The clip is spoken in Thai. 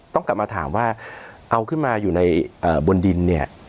ต้องกลับมาถามว่าเอาขึ้นมาอยู่ในบนดินเนี่ย